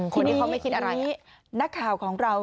คนนี้เขาไม่คิดอะไรนักข่าวของเรา